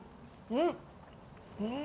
うん？